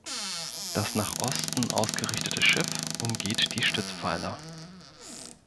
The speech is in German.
Das nach Osten ausgerichtete Schiff umgeht die Stützpfeiler.